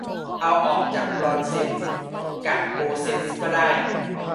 เอาจากบรอนซเซนต์กะโกลด์เซนต์ก็ได้